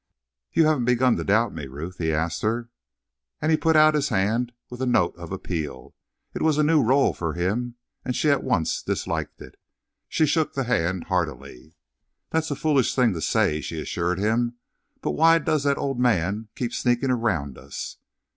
"You haven't begun to doubt me, Ruth?" he asked her. And he put out his hand with a note of appeal. It was a new rôle for him and she at once disliked it. She shook the hand heartily. "That's a foolish thing to say," she assured him. "But why does that old man keep sneaking around us?"